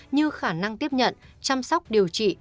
như khả năng tiếp nhận chăm sóc điều trị